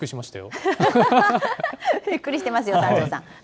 びっくりしてますよ、三條さ